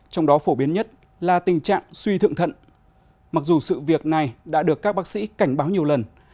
trong đó phổ biến nhất là tình trạng suy thượng thận mặc dù sự việc này đã được các bác sĩ cảnh báo nhiều lần